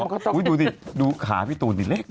อุ๊ยดูสิดูขาพี่ตูนนี่เล็กน่ะ